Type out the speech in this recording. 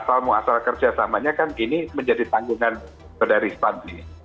asal muasal kerja selamanya kan ini menjadi tanggungan dari spanding